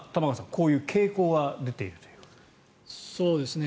こういう傾向は出ているという。